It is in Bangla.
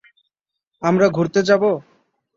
আমরা ঘুড়তে যাব?